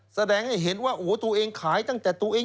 แสดงให้เห็นว่าโอ้โหตัวเองขายตั้งแต่ตัวเอง